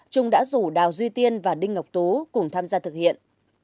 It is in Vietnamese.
trung đã rủ đào duy tiên và đinh ngọc tú cùng tham gia thực hiện